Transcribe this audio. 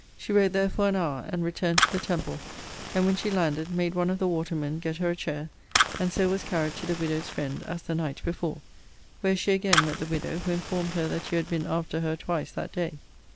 She wrote there for an hour; and returned to the Temple; and, when she landed, made one of the watermen get her a chair, and so was carried to the widow's friend, as the night before; where she again met the widow, who informed her that you had been after her twice that day.